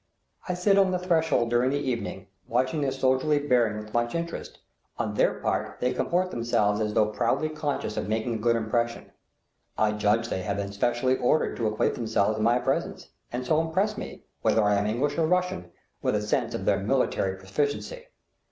I sit on the threshold during the evening, watching their soldierly bearing with much interest; on their part they comport themselves as though proudly conscious of making a good impression. I judge they have been especially ordered to acquit themselves well in my presence, and so impress me, whether I am English or Russian, with a sense of their military proficiency.